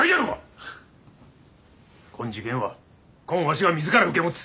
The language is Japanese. こん事件はこんわしが自ら受け持つ！